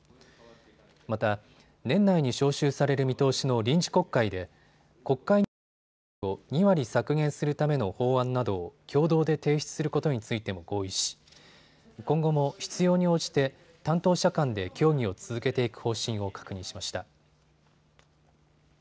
また、年内に召集される見通しの臨時国会で国会議員の歳費を２割削減するための法案などを共同で提出することについても合意し今後も必要に応じて担当者間で協議を続けていく方針を確認しました。